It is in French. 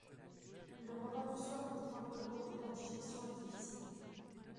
Le repas du soir était un peu lourd, la digestion est difficile